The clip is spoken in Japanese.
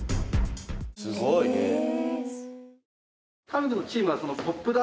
すごい。え。